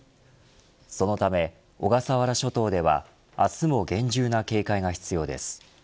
そのため小笠原諸島では明日も厳重な警戒が必要です。